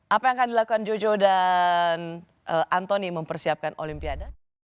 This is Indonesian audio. apa yang akan dilakukan jojo dan antoni mempersiapkan olimpiade